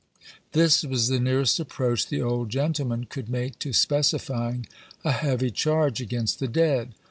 This was the nearest approach the old gentleman could make to specifying a heavy charge against the dead.